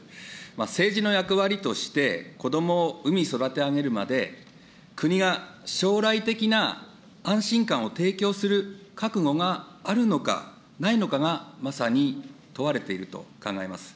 政治の役割として、子どもを産み育て上げるまで、国が将来的な安心感を提供する覚悟があるのかないのかが、まさに問われていると考えます。